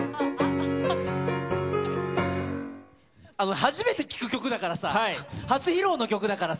初めて聴く曲だからさ、初披露の曲だからさ。